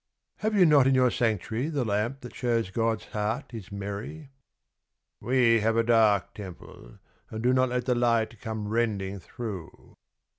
" Have you not in your sanctuary The lamp that shews God's heart is merry ?"' We have a dark temple, and do Not let the light come rending through."